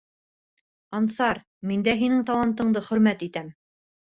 Ансар, мин дә һинең талантыңды хөрмәт итәм.